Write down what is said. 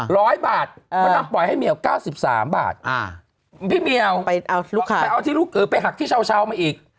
น้ำปล่อยให้เมียว๙๓บาทพี่เมียวไปหักที่เช้ามาอีก